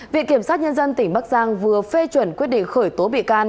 viện kiểm sát nhân dân tỉnh bắc giang vừa phê chuẩn quyết định khởi tố bị can